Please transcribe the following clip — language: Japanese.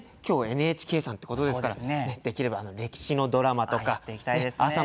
今日ＮＨＫさんってことですからできれば歴史のドラマとか。あっやっていきたいですね。